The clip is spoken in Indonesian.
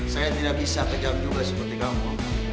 saya tidak bisa kejam juga seperti kamu